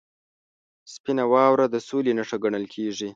• سپینه واوره د سولې نښه ګڼل کېږي.